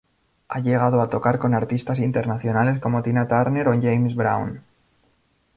Ha llegado a tocar con artistas internacionales como Tina Turner o James Brown.